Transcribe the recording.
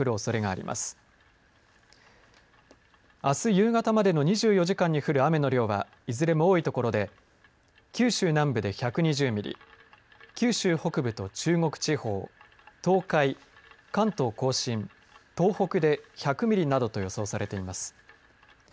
あす夕方までの２４時間に降る雨の量は、いずれも多い所で九州南部で１２０ミリ九州北部と中国地方東海、関東甲信、東北で１００ミリなどと予想されています。